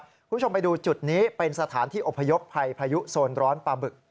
คุณผู้ชมไปดูจุดนี้เป็นสถานที่อพยพภัยพายุโซนร้อนปลาบึก